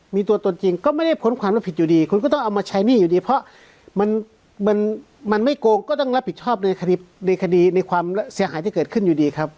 มีตัวตนจริงก็ไม่ได้พ้นความรับผิดอยู่ดีคุณก็ต้องเอามาใช้หนี้อยู่ดีเพราะมันไม่โกงก็ต้องรับผิดชอบในคดีในความเสียหายที่เกิดขึ้นอยู่ดีครับ